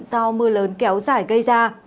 do mưa lớn kéo dài gây ra